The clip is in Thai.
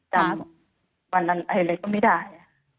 จำวันไหนเลยก็ไม่ได้